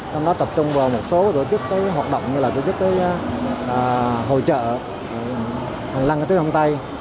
trong đó tập trung vào một số tổ chức hoạt động như là tổ chức hỗ trợ hành lăng ở trước đồng tay